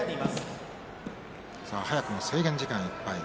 早くも制限時間いっぱい。